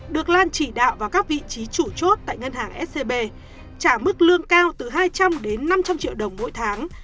được lan chỉ đạo vào các vị trí chủ chốt tại ngân hàng scb trả mức lương cao từ hai trăm linh đến năm trăm linh triệu đồng mỗi tháng